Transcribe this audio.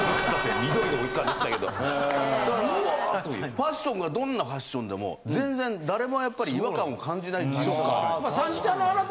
ファッションがどんなファッションでも全然誰もやっぱり違和感を感じない。